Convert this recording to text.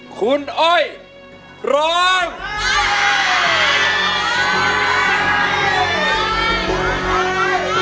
คุณอ้อยร้อง